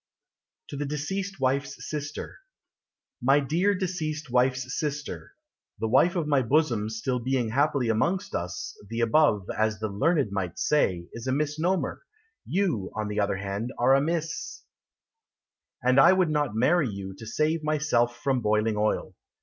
TO THE DECEASED WIFE'S SISTER My dear Deceased Wife's Sister, (The wife of my bosom being still happily amongst us, The above, As the learned might say, Is a misnomer. You, on the other hand, Are a Miss , And I would not marry you To save myself from boiling oil.